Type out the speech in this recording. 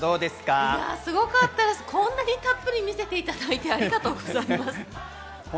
こんなにたっぷり見せていただいて、ありがとうございます。